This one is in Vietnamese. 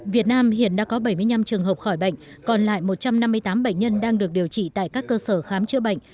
việt nam hiện đã có bảy mươi năm trường hợp khỏi bệnh còn lại một trăm năm mươi tám bệnh nhân đang được điều trị tại các cơ sở khám chữa bệnh